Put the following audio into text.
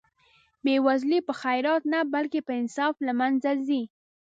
بې وزلي په خیرات نه بلکې په انصاف له منځه ځي.